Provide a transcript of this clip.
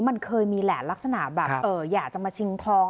มันเคยมีแหละลักษณะแบบอยากจะมาชิงทอง